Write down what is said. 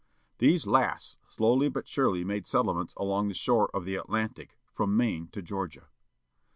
These last slowly but surely made settlements along the shore of the Atlantic, from Maine to Georgia.